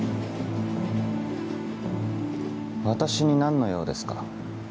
私に何の用ですか。